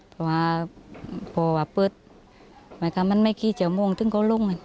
เพราะว่าพอว่าเปิดมันก็ไม่คิดจะม่วงตึงโก้ลุ่ม